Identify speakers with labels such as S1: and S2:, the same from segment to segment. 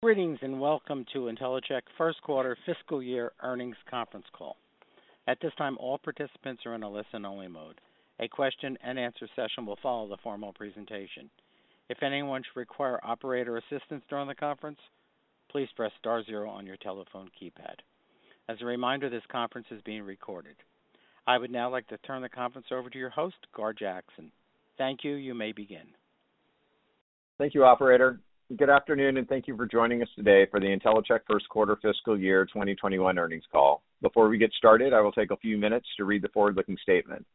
S1: Greetings, and welcome to Intellicheck first quarter fiscal year earnings conference call. At this time, all participants are in a listen-only mode. A question-and-answer session will follow the formal presentation. If anyone should require operator assistance during the conference, please press star zero on your telephone keypad. As a reminder, this conference is being recorded. I would now like to turn the conference over to your host, Gar Jackson. Thank you. You may begin.
S2: Thank you, operator. Good afternoon, and thank you for joining us today for the Intellicheck first quarter fiscal year 2021 earnings call. Before we get started, I will take a few minutes to read the forward-looking statement.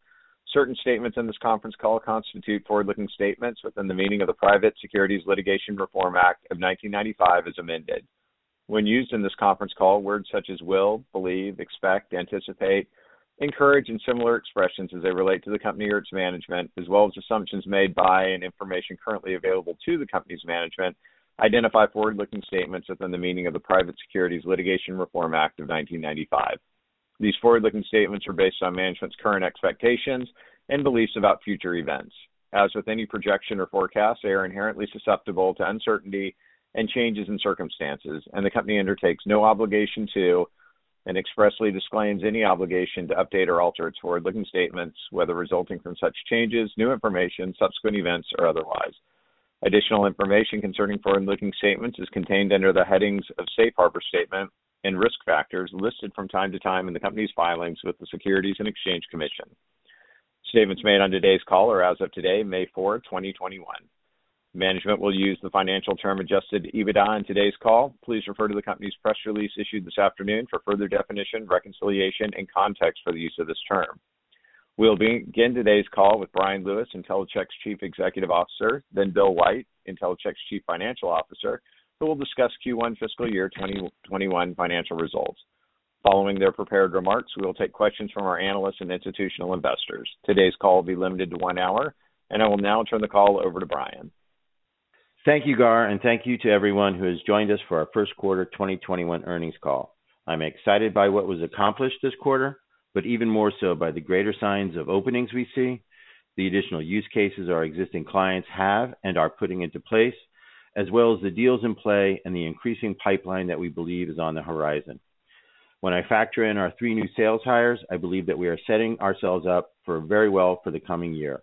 S2: Certain statements in this conference call constitute forward-looking statements within the meaning of the Private Securities Litigation Reform Act of 1995 as amended. When used in this conference call, words such as will, believe, expect, anticipate, encourage, and similar expressions as they relate to the company or its management, as well as assumptions made by and information currently available to the company's management, identify forward-looking statements within the meaning of the Private Securities Litigation Reform Act of 1995. These forward-looking statements are based on management's current expectations and beliefs about future events. As with any projection or forecast, they are inherently susceptible to uncertainty and changes in circumstances, and the company undertakes no obligation to, and expressly disclaims any obligation to update or alter its forward-looking statements, whether resulting from such changes, new information, subsequent events, or otherwise. Additional information concerning forward-looking statements is contained under the headings of Safe Harbor Statement and Risk Factors listed from time to time in the company's filings with the Securities and Exchange Commission. Statements made on today's call are as of today, May 4, 2021. Management will use the financial term Adjusted EBITDA on today's call. Please refer to the company's press release issued this afternoon for further definition, reconciliation, and context for the use of this term. We'll begin today's call with Bryan Lewis, Intellicheck's Chief Executive Officer, then Bill White, Intellicheck's Chief Financial Officer, who will discuss Q1 fiscal year 2021 financial results. Following their prepared remarks, we will take questions from our analysts and institutional investors. Today's call will be limited to one hour. I will now turn the call over to Bryan.
S3: Thank you, Gar, and thank you to everyone who has joined us for our first quarter 2021 earnings call. I'm excited by what was accomplished this quarter, but even more so by the greater signs of openings we see, the additional use cases our existing clients have and are putting into place, as well as the deals in play and the increasing pipeline that we believe is on the horizon. When I factor in our three new sales hires, I believe that we are setting ourselves up very well for the coming year.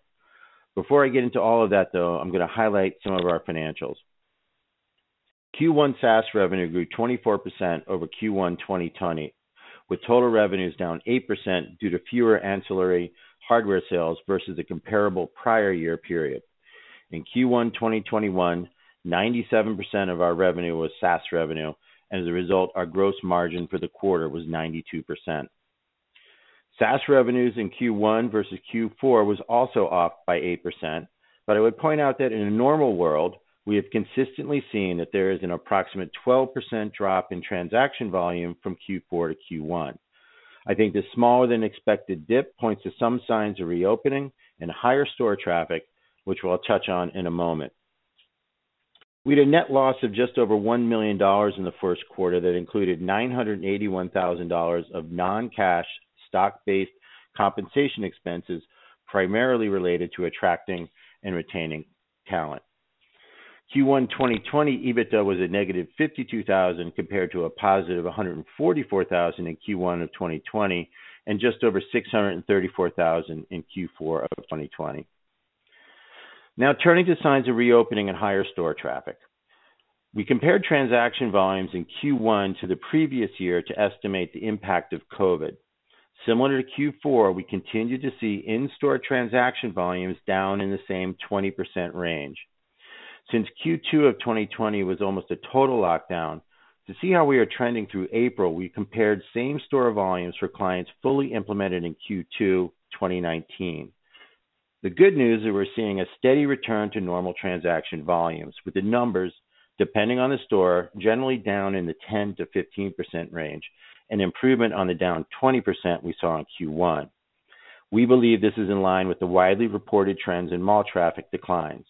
S3: Before I get into all of that, though, I'm going to highlight some of our financials. Q1 SaaS revenue grew 24% over Q1 2020, with total revenues down 8% due to fewer ancillary hardware sales versus the comparable prior year period. In Q1 2021, 97% of our revenue was SaaS revenue, and as a result, our gross margin for the quarter was 92%. SaaS revenues in Q1 versus Q4 was also off by 8%, but I would point out that in a normal world, we have consistently seen that there is an approximate 12% drop in transaction volume from Q4 to Q1. I think the smaller-than-expected dip points to some signs of reopening and higher store traffic, which we'll touch on in a moment. We had a net loss of just over $1 million in the first quarter that included $981,000 of non-cash stock-based compensation expenses, primarily related to attracting and retaining talent. Q1 2020 EBITDA was a -$52,000 compared to a +$144,000 in Q1 of 2020, and just over $634,000 in Q4 of 2020. Now, turning to signs of reopening and higher store traffic. We compared transaction volumes in Q1 to the previous year to estimate the impact of COVID. Similar to Q4, we continued to see in-store transaction volumes down in the same 20% range. Since Q2 of 2020 was almost a total lockdown, to see how we are trending through April, we compared same store volumes for clients fully implemented in Q2 2019. The good news is we're seeing a steady return to normal transaction volumes, with the numbers, depending on the store, generally down in the 10%-15% range, an improvement on the down 20% we saw in Q1. We believe this is in line with the widely reported trends in mall traffic declines.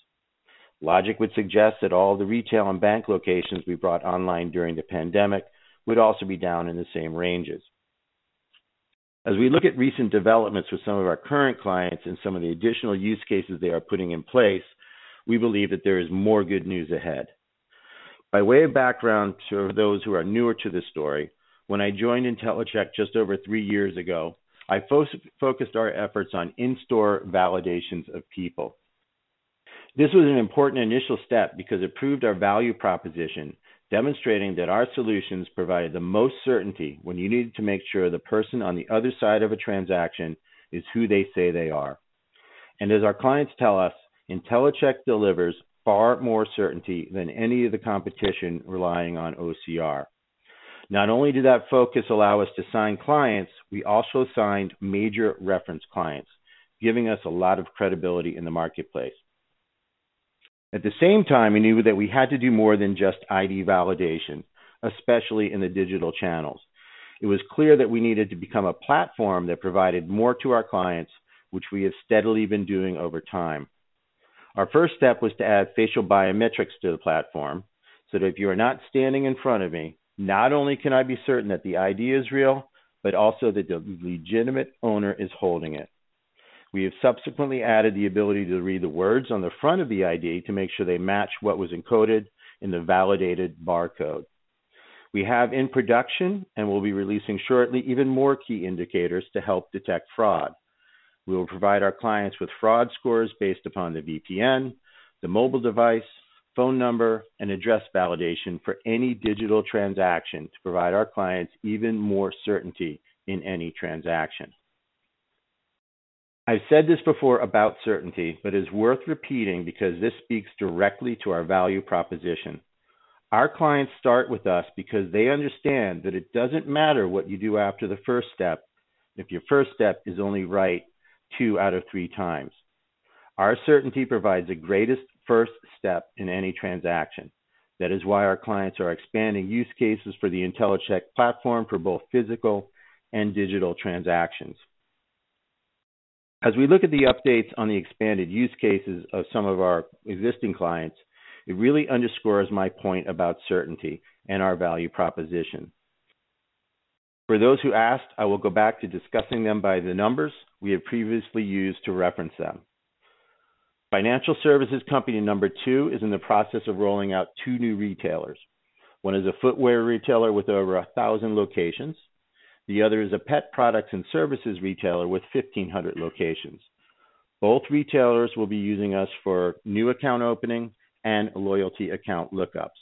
S3: Logic would suggest that all the retail and bank locations we brought online during the pandemic would also be down in the same ranges. As we look at recent developments with some of our current clients and some of the additional use cases they are putting in place, we believe that there is more good news ahead. By way of background to those who are newer to this story, when I joined Intellicheck just over three years ago, I focused our efforts on in-store validations of people. This was an important initial step because it proved our value proposition, demonstrating that our solutions provided the most certainty when you needed to make sure the person on the other side of a transaction is who they say they are. As our clients tell us, Intellicheck delivers far more certainty than any of the competition relying on OCR. Not only did that focus allow us to sign clients, we also signed major reference clients, giving us a lot of credibility in the marketplace. At the same time, we knew that we had to do more than just ID validation, especially in the digital channels. It was clear that we needed to become a platform that provided more to our clients, which we have steadily been doing over time. Our first step was to add facial biometrics to the platform, so that if you are not standing in front of me, not only can I be certain that the ID is real, but also that the legitimate owner is holding it. We have subsequently added the ability to read the words on the front of the ID to make sure they match what was encoded in the validated barcode. We have in production, and will be releasing shortly, even more key indicators to help detect fraud. We will provide our clients with fraud scores based upon the VPN, the mobile device, phone number, and address validation for any digital transaction to provide our clients even more certainty in any transaction. I've said this before about certainty, but is worth repeating because this speaks directly to our value proposition. Our clients start with us because they understand that it doesn't matter what you do after the first step if your first step is only right two out of three times. Our certainty provides the greatest first step in any transaction. That is why our clients are expanding use cases for the Intellicheck platform for both physical and digital transactions. As we look at the updates on the expanded use cases of some of our existing clients, it really underscores my point about certainty and our value proposition. For those who asked, I will go back to discussing them by the numbers we had previously used to reference them. Financial services company number two is in the process of rolling out two new retailers. One is a footwear retailer with over 1,000 locations. The other is a pet products and services retailer with 1,500 locations. Both retailers will be using us for new account opening and loyalty account lookups.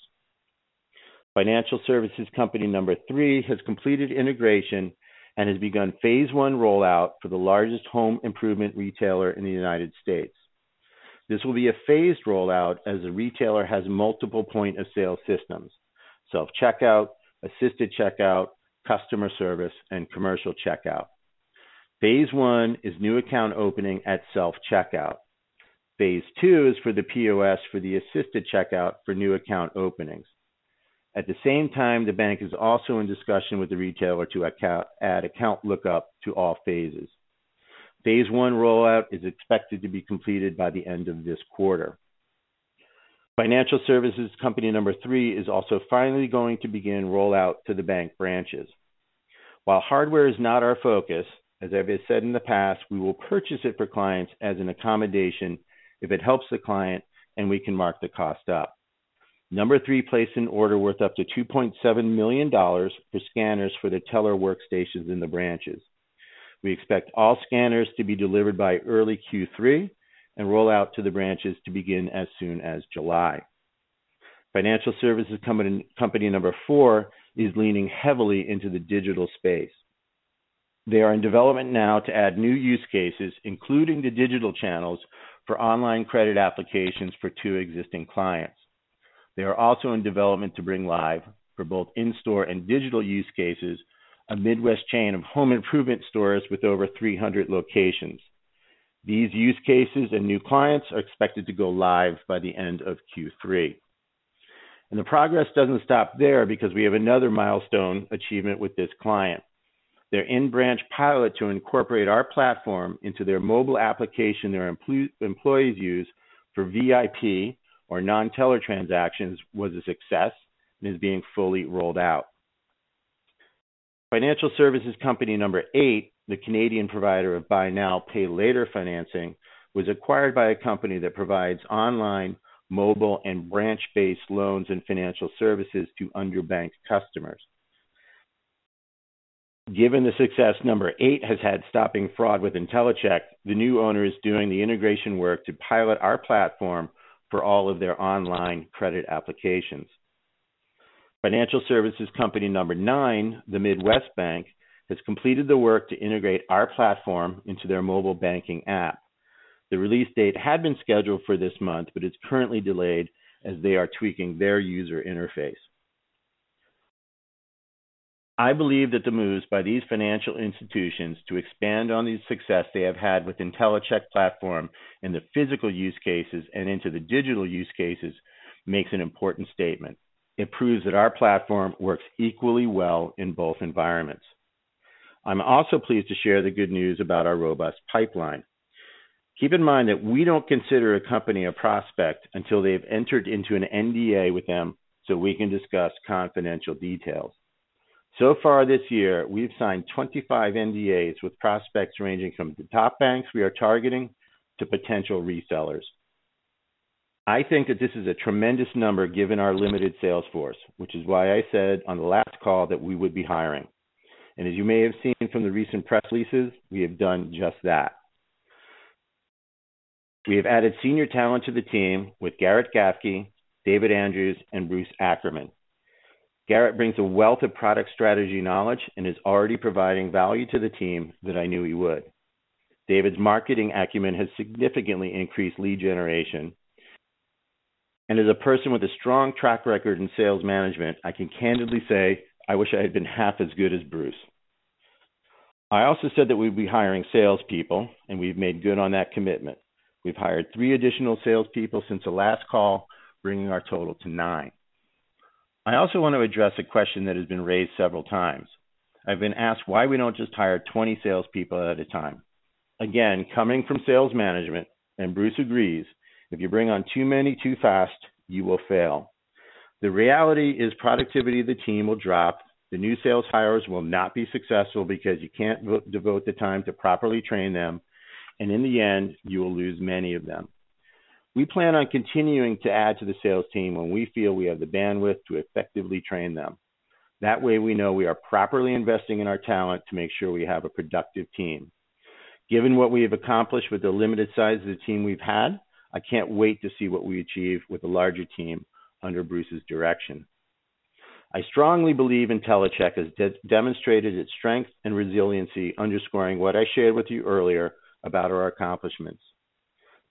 S3: Financial services company number three has completed integration and has begun phase I rollout for the largest home improvement retailer in the United States. This will be a phased rollout as the retailer has multiple point-of-sale systems, self-checkout, assisted checkout, customer service, and commercial checkout. Phase I is new account opening at self-checkout. Phase II is for the POS for the assisted checkout for new account openings. At the same time, the bank is also in discussion with the retailer to add account lookup to all phases. Phase I rollout is expected to be completed by the end of this quarter. Financial services company number three is also finally going to begin rollout to the bank branches. While hardware is not our focus, as I have said in the past, we will purchase it for clients as an accommodation if it helps the client and we can mark the cost up. Number three placed an order worth up to $2.7 million for scanners for the teller workstations in the branches. We expect all scanners to be delivered by early Q3 and rollout to the branches to begin as soon as July. Financial services company number four is leaning heavily into the digital space. They are in development now to add new use cases, including the digital channels for online credit applications for two existing clients. They are also in development to bring live for both in-store and digital use cases, a Midwest chain of home improvement stores with over 300 locations. These use cases and new clients are expected to go live by the end of Q3. The progress doesn't stop there because we have another milestone achievement with this client. Their in-branch pilot to incorporate our platform into their mobile application their employees use for VIP or non-teller transactions was a success and is being fully rolled out. Financial services company number eight, the Canadian provider of buy now, pay later financing, was acquired by a company that provides online, mobile, and branch-based loans and financial services to underbanked customers. Given the success number eight has had stopping fraud with Intellicheck, the new owner is doing the integration work to pilot our platform for all of their online credit applications. Financial services company number nine, the Midwest bank, has completed the work to integrate our platform into their mobile banking app. The release date had been scheduled for this month, but it's currently delayed as they are tweaking their user interface. I believe that the moves by these financial institutions to expand on the success they have had with Intellicheck platform in the physical use cases and into the digital use cases makes an important statement. It proves that our platform works equally well in both environments. I'm also pleased to share the good news about our robust pipeline. Keep in mind that we don't consider a company a prospect until they've entered into an NDA with them so we can discuss confidential details. So far this year, we've signed 25 NDAs with prospects ranging from the top banks we are targeting to potential resellers. I think that this is a tremendous number given our limited sales force, which is why I said on the last call that we would be hiring. As you may have seen from the recent press releases, we have done just that. We have added senior talent to the team with Garrett Gafke, David Andrews, and Bruce Ackerman. Garrett brings a wealth of product strategy knowledge and is already providing value to the team that I knew he would. David's marketing acumen has significantly increased lead generation. As a person with a strong track record in sales management, I can candidly say I wish I had been half as good as Bruce. I also said that we'd be hiring salespeople, and we've made good on that commitment. We've hired three additional salespeople since the last call, bringing our total to nine. I also want to address a question that has been raised several times. I've been asked why we don't just hire 20 salespeople at a time. Again, coming from sales management, and Bruce agrees, if you bring on too many too fast, you will fail. The reality is productivity of the team will drop. The new sales hires will not be successful because you can't devote the time to properly train them, and in the end, you will lose many of them. We plan on continuing to add to the sales team when we feel we have the bandwidth to effectively train them. That way, we know we are properly investing in our talent to make sure we have a productive team. Given what we have accomplished with the limited size of the team we've had, I can't wait to see what we achieve with a larger team under Bruce's direction. I strongly believe Intellicheck has demonstrated its strength and resiliency, underscoring what I shared with you earlier about our accomplishments.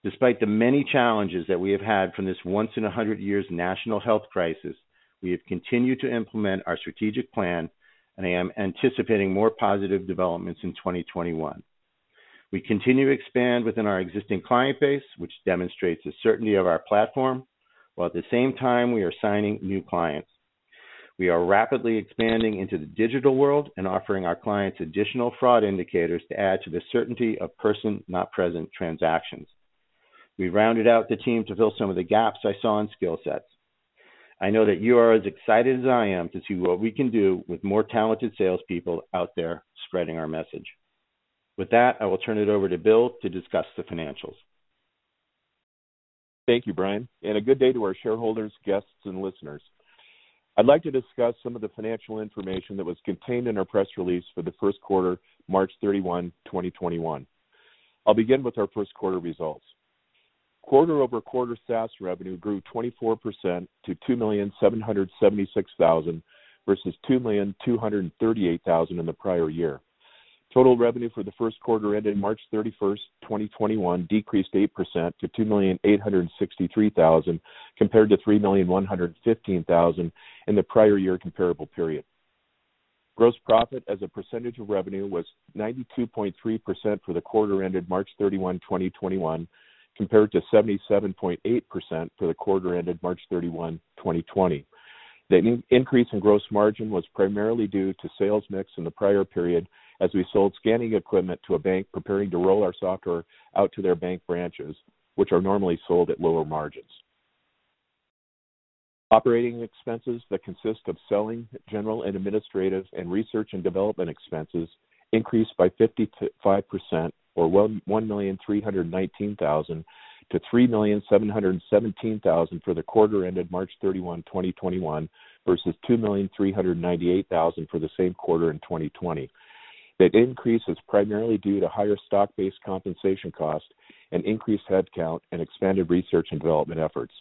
S3: Despite the many challenges that we have had from this once in 100 years national health crisis, we have continued to implement our strategic plan, and I am anticipating more positive developments in 2021. We continue to expand within our existing client base, which demonstrates the certainty of our platform. While at the same time, we are signing new clients. We are rapidly expanding into the digital world and offering our clients additional fraud indicators to add to the certainty of person not present transactions. We rounded out the team to fill some of the gaps I saw in skill sets. I know that you are as excited as I am to see what we can do with more talented salespeople out there spreading our message. With that, I will turn it over to Bill to discuss the financials.
S4: Thank you, Bryan, and a good day to our shareholders, guests, and listeners. I'd like to discuss some of the financial information that was contained in our press release for the first quarter ended March 31, 2021. I'll begin with our first quarter results. QoQ SaaS revenue grew 24% to $2,776,000 versus $2,238,000 in the prior year. Total revenue for the first quarter ended March 31, 2021, decreased 8% to $2,863,000 compared to $3,115,000 in the prior year comparable period. Gross profit as a percentage of revenue was 92.3% for the quarter ended March 31, 2021, compared to 77.8% for the quarter ended March 31, 2020. The increase in gross margin was primarily due to sales mix in the prior period as we sold scanning equipment to a bank preparing to roll our software out to their bank branches, which are normally sold at lower margins. Operating expenses that consist of selling, general and administrative, and research and development expenses increased by 55%, or $1,319,000-$3,717,000 for the quarter ended March 31, 2021, versus $2,398,000 for the same quarter in 2020. That increase is primarily due to higher stock-based compensation cost and increased headcount and expanded research and development efforts.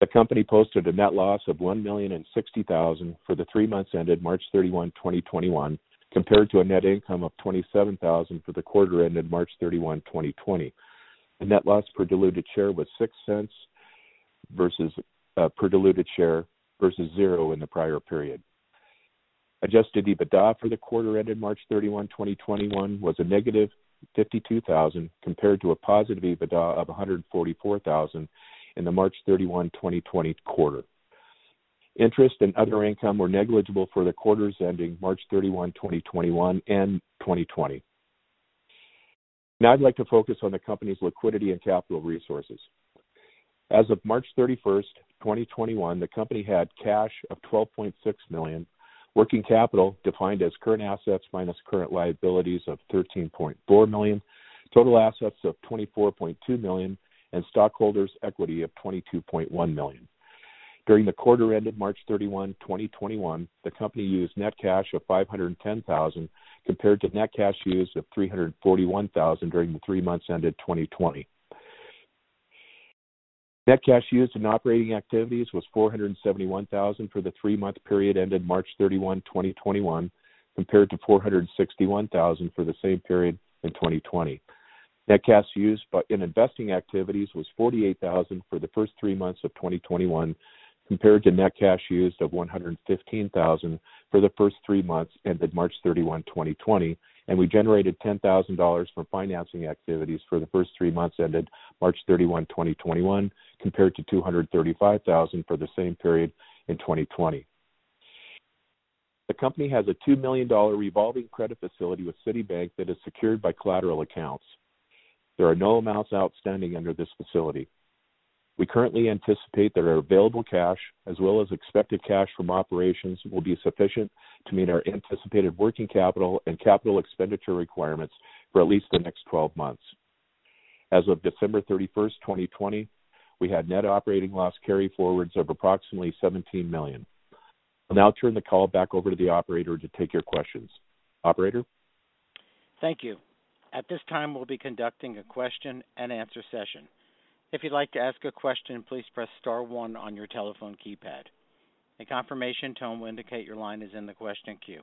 S4: The company posted a net loss of $1,060,000 for the three months ended March 31, 2021, compared to a net income of $27,000 for the quarter ended March 31, 2020. The net loss per diluted share was $0.06 per diluted share versus zero in the prior period. Adjusted EBITDA for the quarter ended March 31, 2021, was a -$52,000 compared to a positive EBITDA of $144,000 in the March 31, 2020 quarter. Interest and other income were negligible for the quarters ending March 31, 2021 and 2020. Now I'd like to focus on the company's liquidity and capital resources. As of March 31st, 2021, the company had cash of $12.6 million, working capital defined as current assets minus current liabilities of $13.4 million, total assets of $24.2 million, and stockholders' equity of $22.1 million. During the quarter ended March 31, 2021, the company used net cash of $510,000 compared to net cash used of $341,000 during the three months ended 2020. Net cash used in operating activities was $471,000 for the three-month period ended March 31, 2021, compared to $461,000 for the same period in 2020. Net cash used in investing activities was $48,000 for the first three months of 2021 compared to net cash used of $115,000 for the first three months ended March 31, 2020. We generated $10,000 from financing activities for the first three months ended March 31, 2021, compared to $235,000 for the same period in 2020. The company has a $2 million revolving credit facility with Citibank that is secured by collateral accounts. There are no amounts outstanding under this facility. We currently anticipate that our available cash as well as expected cash from operations will be sufficient to meet our anticipated working capital and capital expenditure requirements for at least the next 12 months. As of December 31st, 2020, we had net operating loss carryforwards of approximately $17 million. I'll now turn the call back over to the operator to take your questions. Operator?
S1: Thank you. At this time, we'll be conducting a question and answer session. If you'd like to ask a question, please star one on your telephone keypad. A confirmation tone will indicate your line is in the question queue.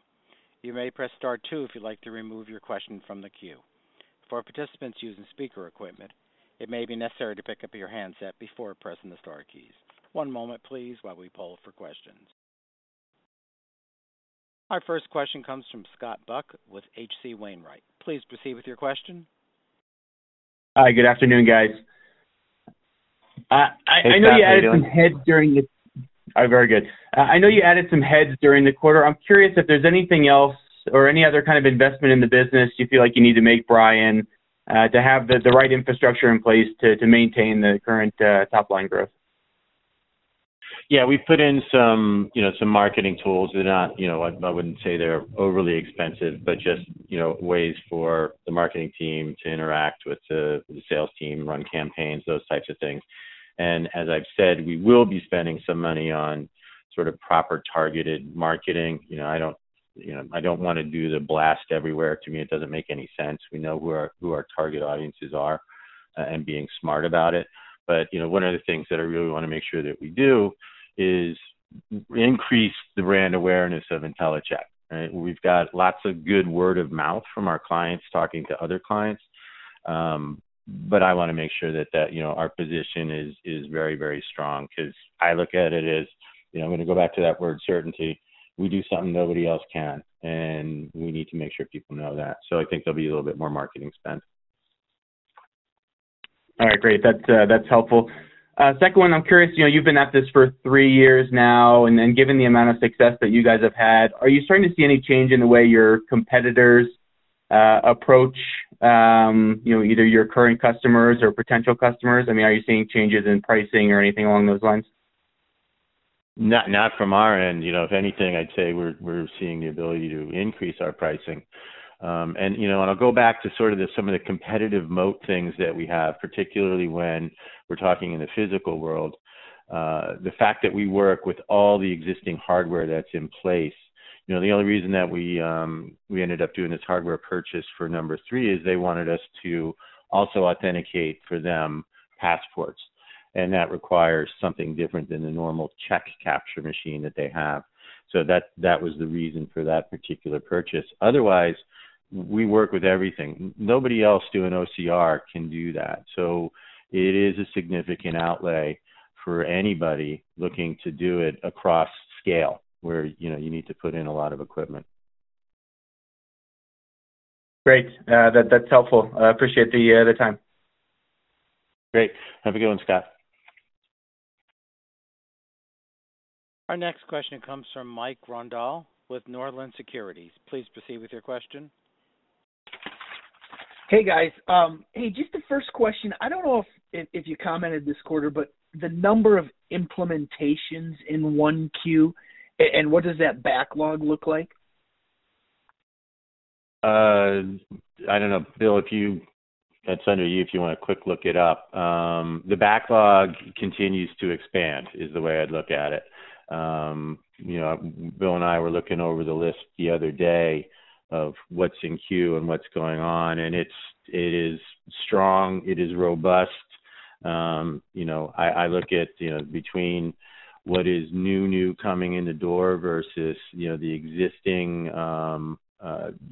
S1: You may press star two if you'd like to remove your question from the queue. For participants using speaker equipment, it may be necessary to pick up your handset before pressing the star keys. Our first question comes from Scott Buck with H.C. Wainwright. Please proceed with your question.
S5: Hi, good afternoon, guys.
S4: Hey, Scott. How you doing?
S5: All right. Very good. I know you added some heads during the quarter. I'm curious if there's anything else or any other kind of investment in the business you feel like you need to make, Bryan, to have the right infrastructure in place to maintain the current top-line growth.
S3: Yeah. We've put in some marketing tools. I wouldn't say they're overly expensive, but just ways for the marketing team to interact with the sales team, run campaigns, those types of things. As I've said, we will be spending some money on sort of proper targeted marketing. I don't want to do the blast everywhere. To me, it doesn't make any sense. We know who our target audiences are and being smart about it. One of the things that I really want to make sure that we do is increase the brand awareness of Intellicheck, right? We've got lots of good word of mouth from our clients talking to other clients. I want to make sure that our position is very strong because I look at it as, I'm going to go back to that word certainty. We do something nobody else can, and we need to make sure people know that. I think there'll be a little bit more marketing spend.
S5: All right. Great. That's helpful. Second one, I'm curious, you've been at this for three years now, and then given the amount of success that you guys have had, are you starting to see any change in the way your competitors approach either your current customers or potential customers? Are you seeing changes in pricing or anything along those lines?
S3: Not from our end. If anything, I'd say we're seeing the ability to increase our pricing. I'll go back to sort of some of the competitive moat things that we have, particularly when we're talking in the physical world. The fact that we work with all the existing hardware that's in place. The only reason that we ended up doing this hardware purchase for number three is they wanted us to also authenticate for them passports. That requires something different than the normal check capture machine that they have. That was the reason for that particular purchase. Otherwise, we work with everything. Nobody else doing OCR can do that. It is a significant outlay for anybody looking to do it across scale, where you need to put in a lot of equipment.
S5: Great. That's helpful. I appreciate the time.
S3: Great. Have a good one, Scott.
S1: Our next question comes from Mike Grondahl with Northland Securities. Please proceed with your question.
S6: Hey, guys. Hey, just the first question. I don't know if you commented this quarter, but the number of implementations in one Q, and what does that backlog look like?
S3: I don't know, Bill, that's under you if you want to quick look it up. The backlog continues to expand is the way I'd look at it. Bill and I were looking over the list the other day of what's in queue and what's going on, and it is strong, it is robust. I look at between what is new coming in the door versus the existing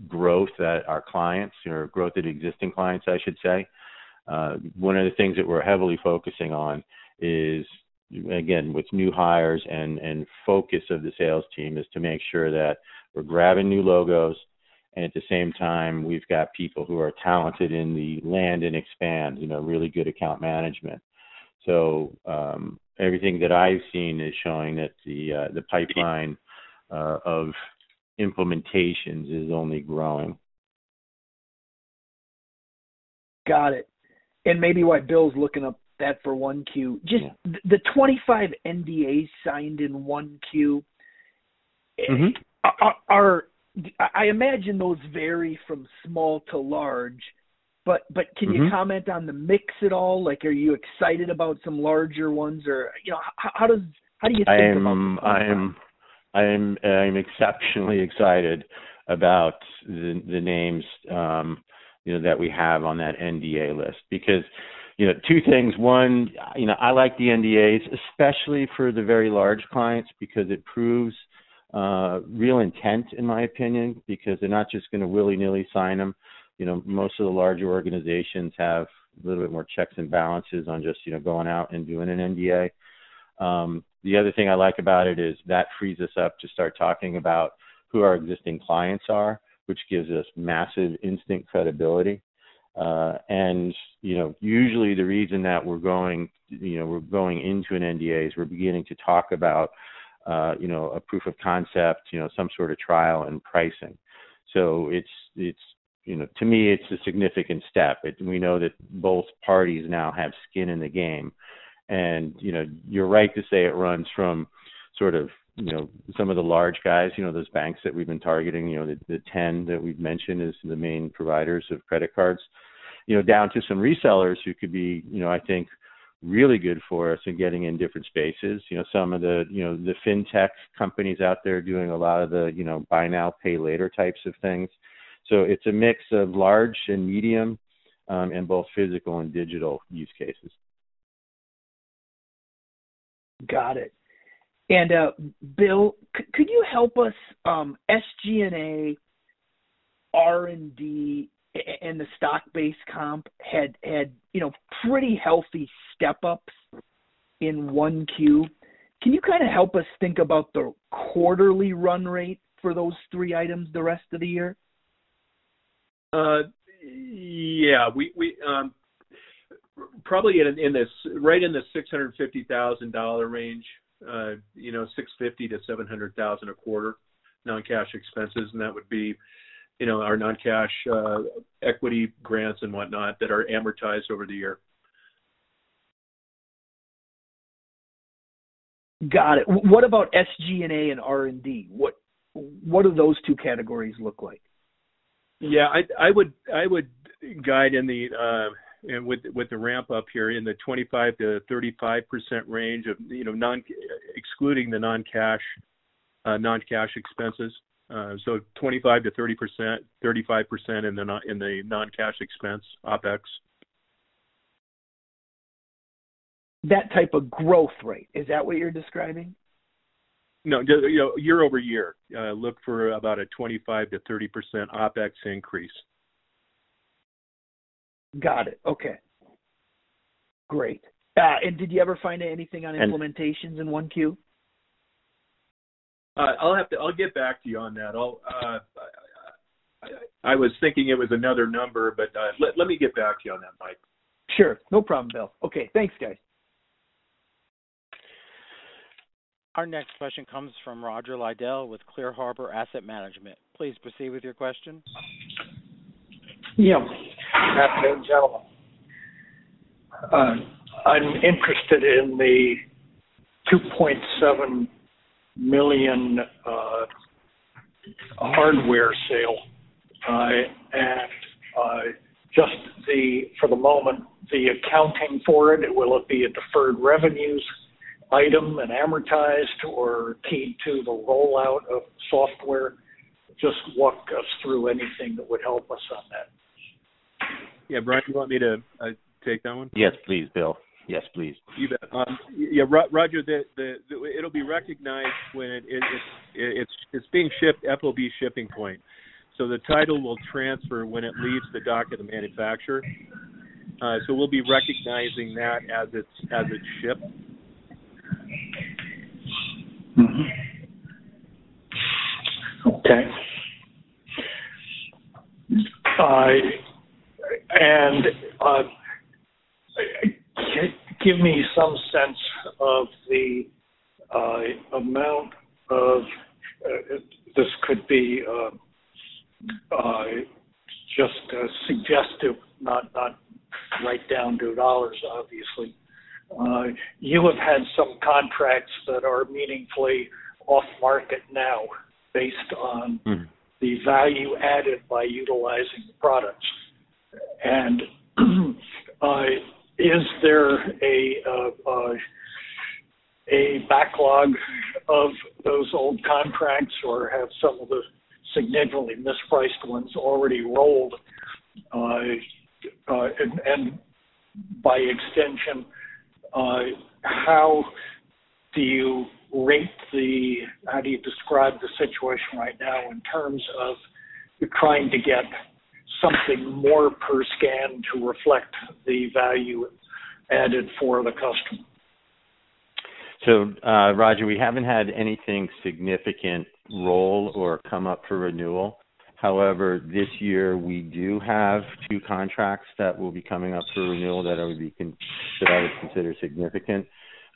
S3: growth at our clients or growth at existing clients, I should say. One of the things that we're heavily focusing on is, again, with new hires and focus of the sales team, is to make sure that we're grabbing new logos and at the same time, we've got people who are talented in the land and expand, really good account management. Everything that I've seen is showing that the pipeline of implementations is only growing.
S6: Got it. Maybe why Bill's looking up that for 1Q.
S3: Yeah.
S6: Just the 25 NDAs signed in 1Q-. I imagine those vary from small to large, but can you comment on the mix at all? Are you excited about some larger ones or how do you think about that?
S3: I am exceptionally excited about the names that we have on that NDA list because two things. One, I like the NDAs, especially for the very large clients because it proves real intent in my opinion, because they're not just going to willy-nilly sign them. Most of the larger organizations have a little bit more checks and balances on just going out and doing an NDA. The other thing I like about it is that frees us up to start talking about who our existing clients are, which gives us massive instant credibility. Usually the reason that we're going into an NDA is we're beginning to talk about a proof of concept, some sort of trial and pricing. To me, it's a significant step. We know that both parties now have skin in the game. You're right to say it runs from sort of some of the large guys, those banks that we've been targeting, the 10 that we've mentioned as the main providers of credit cards, down to some resellers who could be I think really good for us in getting in different spaces. Some of the fintech companies out there doing a lot of the buy now, pay later types of things. So it's a mix of large and medium, in both physical and digital use cases.
S6: Got it. Bill, could you help us, SG&A, R&D, and the stock-based comp had pretty healthy step-ups in 1Q. Can you help us think about the quarterly run rate for those three items the rest of the year?
S4: Yeah. Probably right in the $650,000 range, $650,000-$700,000 a quarter, non-cash expenses. That would be our non-cash equity grants and whatnot that are amortized over the year.
S6: Got it. What about SG&A and R&D? What do those two categories look like?
S4: Yeah, I would guide with the ramp up here in the 25%-35% range, excluding the non-cash expenses. 25%-30%, 35% in the non-cash expense OpEx.
S6: That type of growth rate, is that what you're describing?
S4: No, YoY. Look for about a 25%-30% OpEx increase.
S6: Got it. Okay, great. Did you ever find anything on implementations in 1Q?
S4: I'll get back to you on that. I was thinking it was another number, but let me get back to you on that, Mike.
S6: Sure. No problem, Bill. Okay, thanks, guys.
S1: Our next question comes from Roger Liddell with Clear Harbor Asset Management. Please proceed with your questions.
S7: Yeah. Afternoon, gentlemen. I'm interested in the $2.7 million hardware sale. Just for the moment, the accounting for it, will it be a deferred revenues item and amortized, or key to the rollout of software? Just walk us through anything that would help us on that.
S4: Yeah, Bryan, you want me to take that one?
S3: Yes, please, Bill. Yes, please.
S4: You bet. Yeah, Roger, it'll be recognized when it's being shipped, FOB shipping point. The title will transfer when it leaves the dock of the manufacturer. We'll be recognizing that as it's shipped.
S7: Okay. Give me some sense of the amount of, this could be just suggestive, not right down to dollars, obviously. You have had some contracts that are meaningfully off-market now based on the value added by utilizing the products. Is there a backlog of those old contracts, or have some of the significantly mispriced ones already rolled? By extension, how do you describe the situation right now in terms of you trying to get something more per scan to reflect the value added for the customer?
S3: Roger, we haven't had anything significant roll or come up for renewal. However, this year we do have two contracts that will be coming up for renewal that I would consider significant.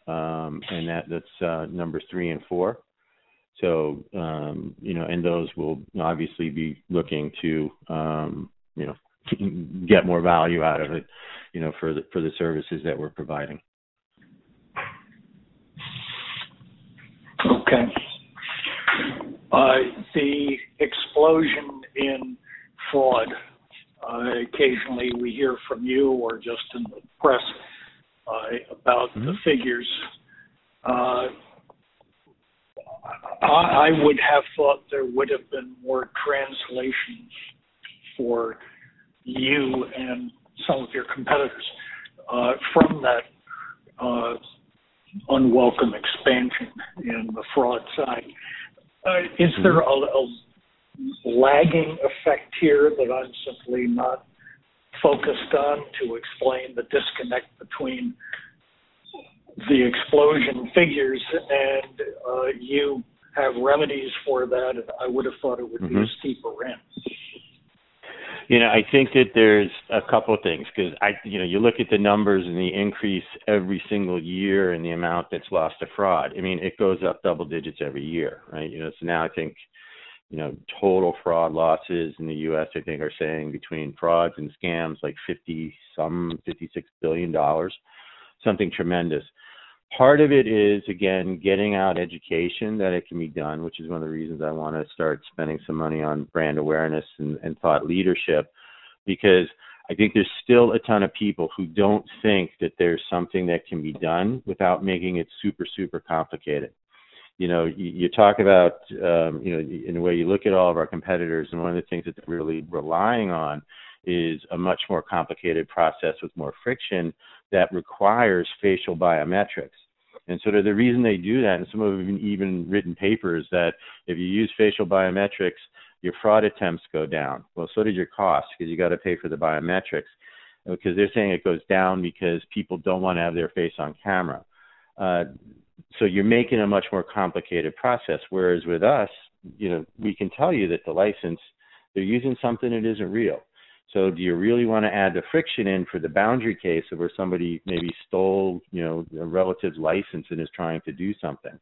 S3: That's numbers three and four. Those we'll obviously be looking to get more value out of it for the services that we're providing.
S7: Okay. The explosion in fraud, occasionally we hear from you or just in the press about the figures. I would have thought there would've been more translation for you and some of your competitors from that unwelcome expansion in the fraud side. Is there a lagging effect here that I'm simply not focused on to explain the disconnect between the explosion figures and you have remedies for that? I would've thought it would be steeper ramps.
S3: I think that there's a couple of things, because you look at the numbers and the increase every single year in the amount that's lost to fraud. It goes up double digits every year, right? Now I think total fraud losses in the U.S., I think, are saying between frauds and scams, like 50 some, $56 billion, something tremendous. Part of it is, again, getting out education that it can be done, which is one of the reasons I want to start spending some money on brand awareness and thought leadership, because I think there's still a ton of people who don't think that there's something that can be done without making it super complicated. You talk about, in the way you look at all of our competitors, one of the things that they're really relying on is a much more complicated process with more friction that requires facial biometrics. The reason they do that, and some of them have even written papers, that if you use facial biometrics, your fraud attempts go down. Well, so does your cost because you got to pay for the biometrics. They're saying it goes down because people don't want to have their face on camera. You're making a much more complicated process. Whereas with us, we can tell you that the license, they're using something that isn't real. Do you really want to add the friction in for the boundary case of where somebody maybe stole a relative's license and is trying to do something?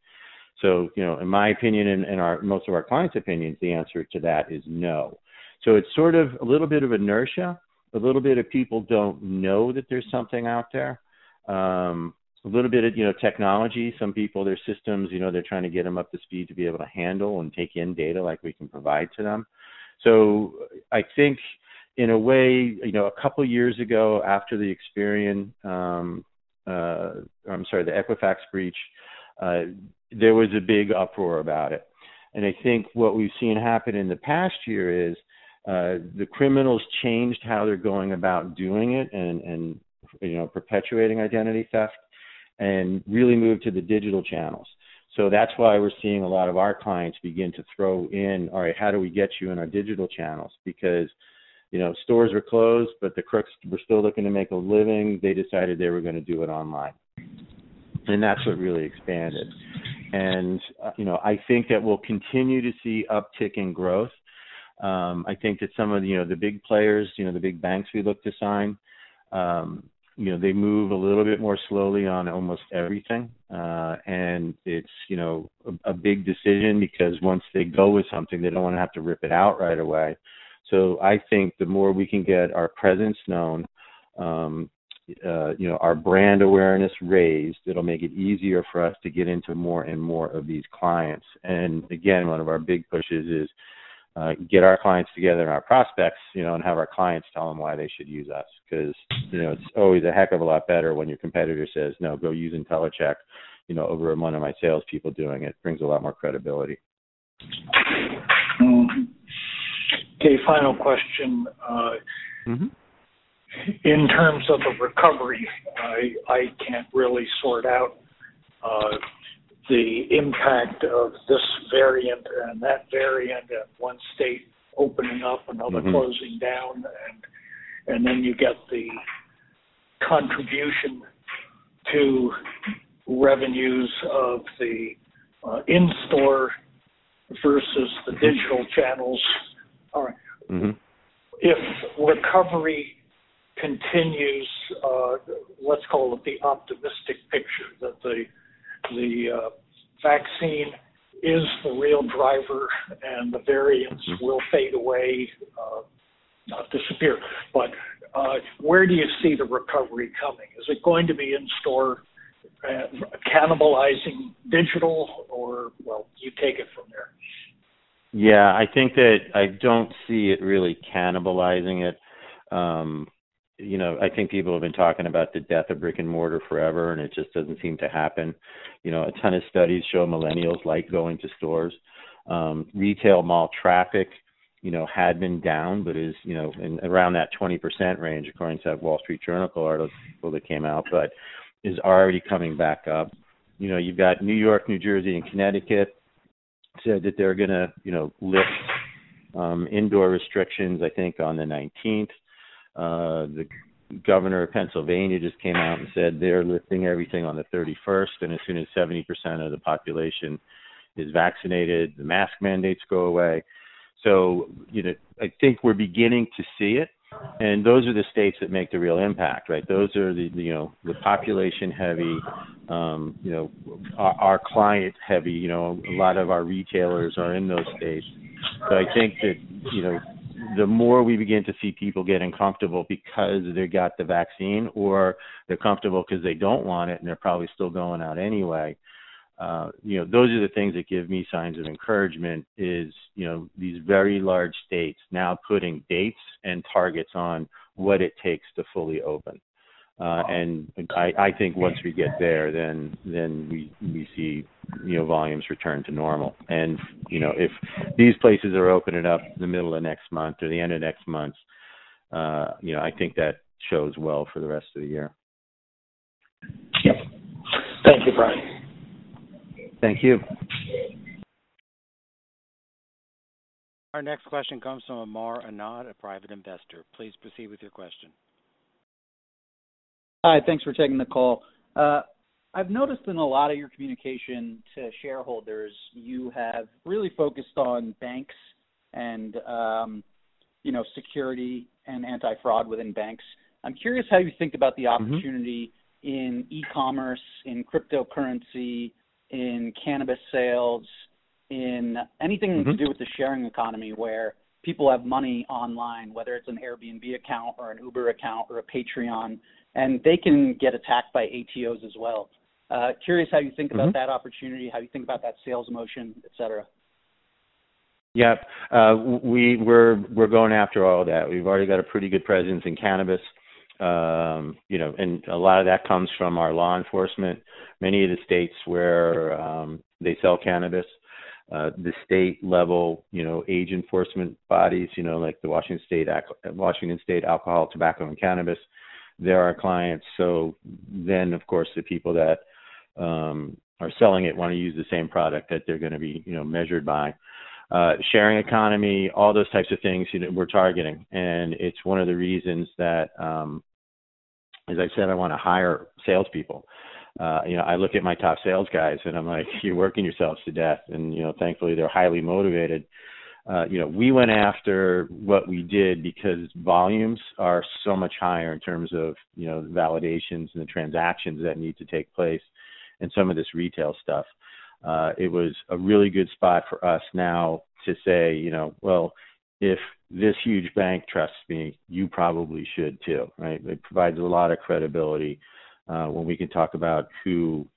S3: In my opinion and most of our clients' opinions, the answer to that is no. It's sort of a little bit of inertia, a little bit of people don't know that there's something out there. A little bit of technology. Some people, their systems, they're trying to get them up to speed to be able to handle and take in data like we can provide to them. I think in a way, a couple years ago after the Experian, I'm sorry, the Equifax breach, there was a big uproar about it. I think what we've seen happen in the past year is, the criminals changed how they're going about doing it and perpetuating identity theft, and really moved to the digital channels. That's why we're seeing a lot of our clients begin to throw in, "All right, how do we get you in our digital channels?" Because stores were closed, but the crooks were still looking to make a living. They decided they were going to do it online. That's what really expanded. I think that we'll continue to see uptick in growth. I think that some of the big players, the big banks we look to sign, they move a little bit more slowly on almost everything. It's a big decision because once they go with something, they don't want to have to rip it out right away. I think the more we can get our presence known, our brand awareness raised, it'll make it easier for us to get into more and more of these clients. Again, one of our big pushes is get our clients together and our prospects, and have our clients tell them why they should use us, because it's always a heck of a lot better when your competitor says, "No, go use Intellicheck over one of my salespeople doing it," brings a lot more credibility.
S7: Okay. Final question.
S3: Mmm.
S7: In terms of a recovery, I can't really sort out the impact of this variant and that variant, and one state opening up, another closing down.
S3: Mm-hm.
S7: Then you get the contribution to revenues of the in-store versus the digital channels. All right.
S3: Mm-hhm.
S7: If recovery continues, let's call it the optimistic picture, that the vaccine is the real driver and the variants will fade away, not disappear, but where do you see the recovery coming? Is it going to be in-store cannibalizing digital or? Well, you take it from there.
S3: Yeah, I think that I don't see it really cannibalizing it. I think people have been talking about the death of brick and mortar forever. It just doesn't seem to happen. A ton of studies show millennials like going to stores. Retail mall traffic had been down but is around that 20% range according to that Wall Street Journal article that came out. It is already coming back up. You've got New York, New Jersey and Connecticut said that they're going to lift indoor restrictions, I think, on the 19th. The governor of Pennsylvania just came out and said they're lifting everything on the 31st. As soon as 70% of the population is vaccinated, the mask mandates go away. I think we're beginning to see it. Those are the states that make the real impact, right? Those are the population heavy, our client heavy, a lot of our retailers are in those states. I think that the more we begin to see people getting comfortable because they got the vaccine or they're comfortable because they don't want it and they're probably still going out anyway, those are the things that give me signs of encouragement is these very large states now putting dates and targets on what it takes to fully open. I think once we get there, then we see volumes return to normal. If these places are opening up in the middle of next month or the end of next month, I think that shows well for the rest of the year.
S7: Yep. Thank you, Bryan.
S3: Thank you.
S1: Our next question comes from Amar Anand, a private investor. Please proceed with your question.
S8: Hi. Thanks for taking the call. I've noticed in a lot of your communication to shareholders, you have really focused on banks and security and anti-fraud within banks. I'm curious how you think about the opportunity in e-commerce, in cryptocurrency, in cannabis sales, in anything.
S3: Mm-hm.
S8: To do with the sharing economy where people have money online, whether it's an Airbnb account or an Uber account or a Patreon, and they can get attacked by ATOs as well. Curious how you think about-
S3: Mm-hm.
S8: That opportunity, how you think about that sales motion, et cetera.
S3: Yep. We're going after all of that. We've already got a pretty good presence in cannabis, and a lot of that comes from our law enforcement. Many of the states where they sell cannabis, the state level age enforcement bodies like the Washington State Liquor and Cannabis Board, they're our clients. Of course, the people that are selling it want to use the same product that they're going to be measured by. Sharing economy, all those types of things we're targeting. It's one of the reasons that, as I said, I want to hire salespeople. I look at my top sales guys and I'm like, "You're working yourselves to death." Thankfully, they're highly motivated. We went after what we did because volumes are so much higher in terms of the validations and the transactions that need to take place in some of this retail stuff. It was a really good spot for us now to say, "Well, if this huge bank trusts me, you probably should too." Right? It provides a lot of credibility when we can talk about who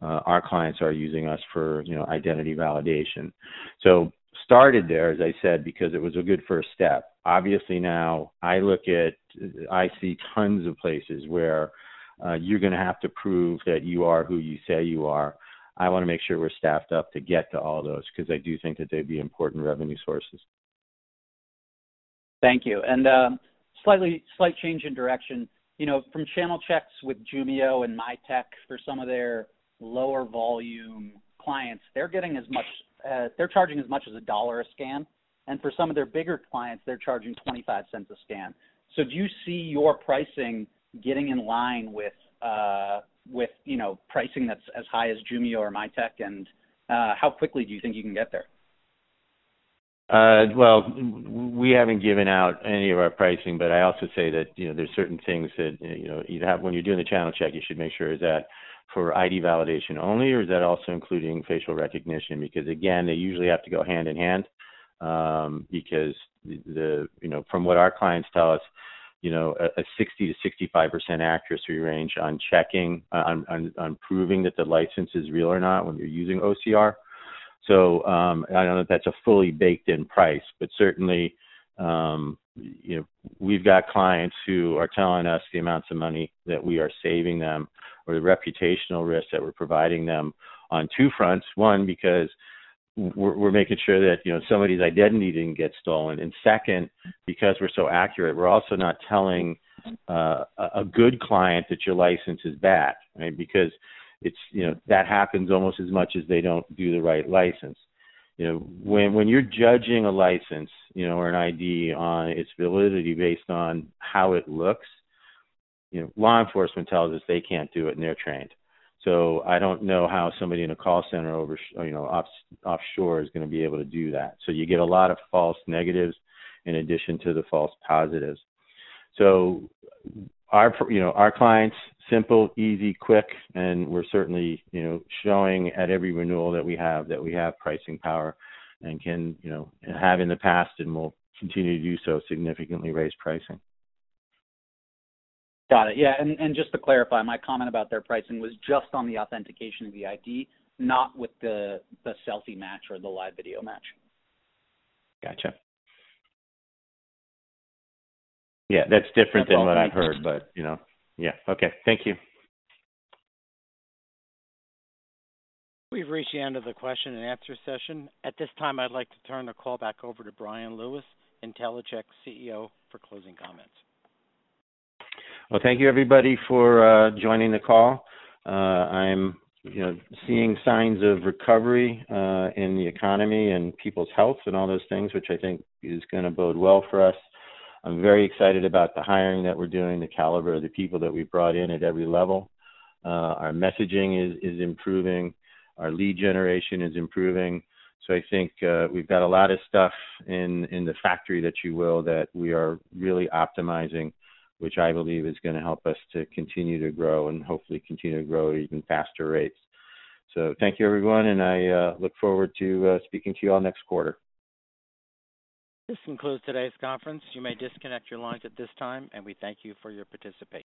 S3: our clients are using us for identity validation. Started there, as I said, because it was a good first step. Obviously now, I see tons of places where you're going to have to prove that you are who you say you are. I want to make sure we're staffed up to get to all those, because I do think that they'd be important revenue sources.
S8: Thank you. Slight change in direction. From channel checks with Jumio and Mitek for some of their lower volume clients, they're charging as much as $1 a scan. For some of their bigger clients, they're charging $0.25 a scan. Do you see your pricing getting in line with pricing that's as high as Jumio or Mitek, and how quickly do you think you can get there?
S3: Well, we haven't given out any of our pricing. I also say that there's certain things that when you're doing the channel check, you should make sure is that for ID validation only, or is that also including facial recognition? Again, they usually have to go hand in hand. From what our clients tell us, a 60%-65% accuracy range on proving that the license is real or not when you're using OCR. I don't know if that's a fully baked-in price. Certainly, we've got clients who are telling us the amounts of money that we are saving them or the reputational risks that we're providing them on two fronts. One, because we're making sure that somebody's identity didn't get stolen. Second, because we're so accurate, we're also not telling a good client that your license is bad, right? That happens almost as much as they don't do the right license. When you're judging a license or an ID on its validity based on how it looks, law enforcement tells us they can't do it, and they're trained. I don't know how somebody in a call center offshore is going to be able to do that. You get a lot of false negatives in addition to the false positives. Our clients, simple, easy, quick, and we're certainly showing at every renewal that we have that we have pricing power and have in the past and will continue to do so, significantly raise pricing.
S8: Got it. Yeah. Just to clarify, my comment about their pricing was just on the authentication of the ID, not with the selfie match or the live video match.
S3: Got you. Yeah, that's different than what I've heard.
S8: That's all I needed.
S3: Yeah. Okay. Thank you.
S1: We've reached the end of the question and answer session. At this time, I'd like to turn the call back over to Bryan Lewis, Intellicheck Chief Executive Officer, for closing comments.
S3: Well, thank you everybody for joining the call. I'm seeing signs of recovery in the economy and people's health and all those things, which I think is going to bode well for us. I'm very excited about the hiring that we're doing, the caliber of the people that we've brought in at every level. Our messaging is improving, our lead generation is improving. I think we've got a lot of stuff in the factory, if you will, that we are really optimizing, which I believe is going to help us to continue to grow and hopefully continue to grow at even faster rates. Thank you everyone, and I look forward to speaking to you all next quarter.
S1: This concludes today's conference. You may disconnect your lines at this time, and we thank you for your participation.